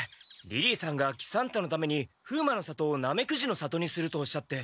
リリーさんが喜三太のために風魔の里をナメクジの里にするとおっしゃって。